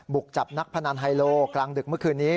จับนักพนันไฮโลกลางดึกเมื่อคืนนี้